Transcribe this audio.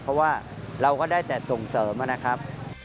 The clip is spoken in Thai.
เพราะว่าเราก็ได้แต่ส่งเสริมนะครับ